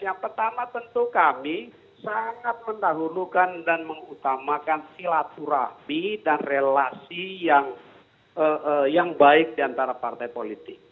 yang pertama tentu kami sangat mendahulukan dan mengutamakan silaturahmi dan relasi yang baik diantara partai politik